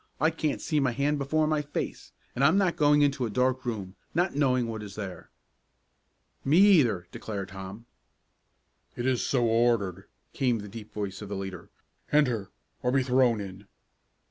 "I can't see my hand before my face, and I'm not going into a dark room, not knowing what is there." "Me either!" declared Tom. "It is so ordered," came the deep voice of the leader. "Enter or be thrown in!"